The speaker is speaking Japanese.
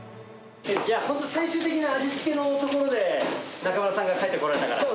じゃあ本当、最終的な味付けのところで、中村さんが帰ってこられたから。